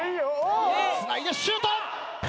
つないでシュート。